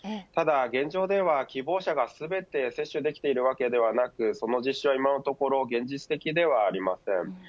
ただ現状では希望者が全て接種できているわけではなくその実施は、今のところ現実的ではありません。